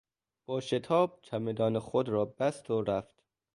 با شتاب چمدان خود را بست و رفت.